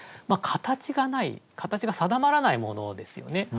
形がない形が定まらないものですよね